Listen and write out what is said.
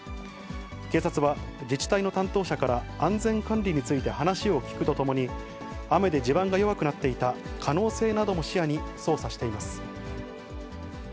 警察は、自治体の担当者から安全管理について話を聴くとともに、雨で地盤が弱くなっていた可能性なども視野に捜査しています。